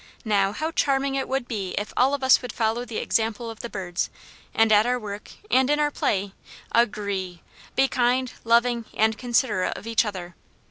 Now how charming it would be if all of us would follow the example of the birds, and at our work, and in our play, agreeee be kind, loving, and considerate of each other.